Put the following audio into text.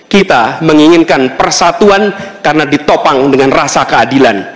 kita menginginkan persatuan karena ditopang dengan rasa keadilan